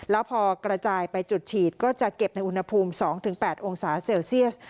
แล้วพอกระจายไปจุดฉีดก็จะเก็บในอุณหภูมิ๒๘องศาเซลเซียส